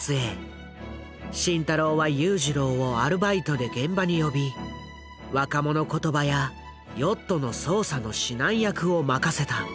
慎太郎は裕次郎をアルバイトで現場に呼び若者言葉やヨットの操作の指南役を任せた。